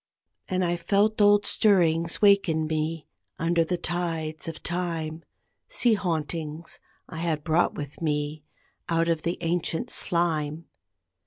And I felt old stirrings wake in me, under the tides of time, Sea hauntings I had brought with me out of the ancient slime.